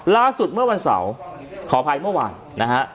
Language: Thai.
ล่าสุดเมื่อวันเสาร์ขออภัยเมื่อวานนะฮะ